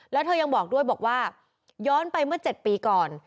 แล้วเธอยังบอกด้วยบอกว่าย้อนไปเมื่อ๗ปีก่อน